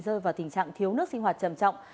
rơi vào tình trạng thiếu nước sinh hoạt trầm trọng